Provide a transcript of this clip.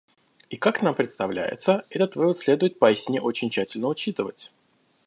И как нам представляется, этот вывод следует поистине очень тщательно учитывать.